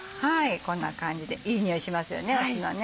こんな感じでいい匂いしますよね酢のね。